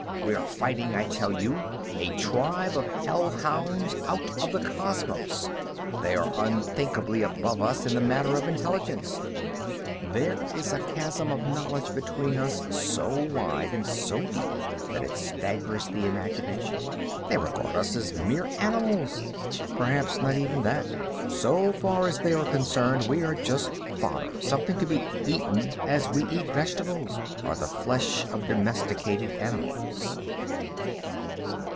We are fighting, I tell you, a tribe of hellhounds out of the cosmos. They are unthinkably above us in the matter of intelligence. There is a chasm of knowledge between us so wide and so deep that it staggers the imagination. They regard us as mere animals, perhaps not even that. So far as they are concerned we are just fodder, something to be eaten as we eat vegetables and cereals or the flesh of domesticated animals.